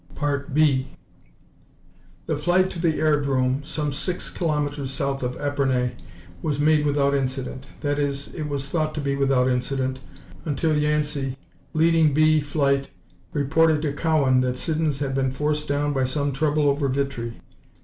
2 The flight to the airdrome some six kilometers south of Epernay was made without incident. That is, it was thought to be without incident until Yancey, leading B Flight, reported to Cowan that Siddons had been forced down by some trouble over Vitry.